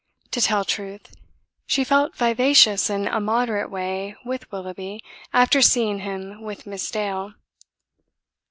To tell truth, she felt vivacious in a moderate way with Willoughby after seeing him with Miss Dale.